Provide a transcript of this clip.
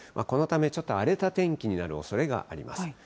このため、ちょっと荒れた天気になるおそれがあります。